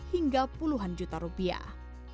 hingga puluhan juta rupiah